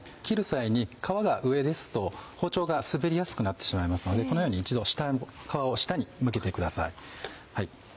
切る際に皮が上ですと包丁が滑りやすくなってしまいますのでこのように一度皮を下に向けてください。